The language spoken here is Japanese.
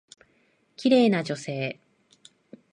綺麗な女性。